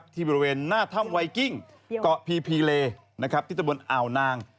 บริเวณหน้าถ้ำไวกิ้งเกาะพีพีเลที่ตะบนอ่าวนาง